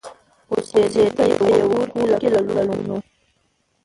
اوسېده په یوه کورکي له کلونو